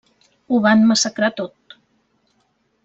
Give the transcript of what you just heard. Ho van massacrar tot.